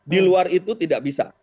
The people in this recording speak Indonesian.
di luar itu tidak bisa